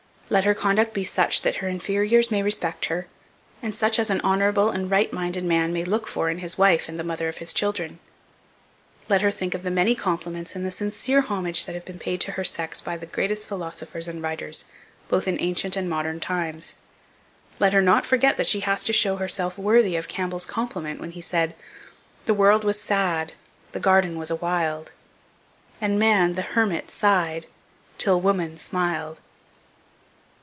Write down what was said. Let her conduct be such that her inferiors may respect her, and such as an honourable and right minded man may look for in his wife and the mother of his children. Let her think of the many compliments and the sincere homage that have been paid to her sex by the greatest philosophers and writers, both in ancient and modern times. Let her not forget that she has to show herself worthy of Campbell's compliment when he said, "The world was sad! the garden was a wild! And man the hermit sigh'd, till woman smiled."